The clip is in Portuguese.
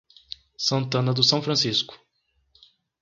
Santana do São Francisco